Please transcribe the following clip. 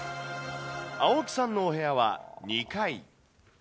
青木さんのお部屋は２階。